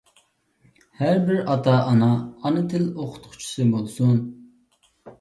ھەر بىر ئاتا-ئانا ئانا تىل ئوقۇتقۇچىسى بولسۇن!